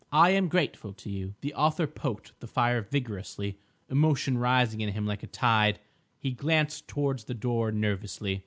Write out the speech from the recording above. I am grateful to you." The author poked the fire vigorously, emotion rising in him like a tide. He glanced towards the door nervously.